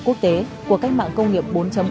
quốc tế của cách mạng công nghiệp bốn